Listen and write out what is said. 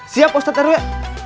siap pak ustaz tkw